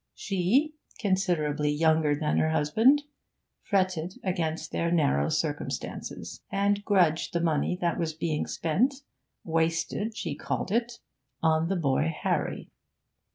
She, considerably younger than her husband, fretted against their narrow circumstances, and grudged the money that was being spent wasted, she called it on the boy Harry.